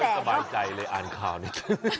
ไม่ค่อยสบายใจเลยอ่านข้าวนิดนึง